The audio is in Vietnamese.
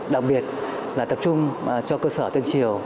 đặc biệt là tập trung cho cơ sở tân triều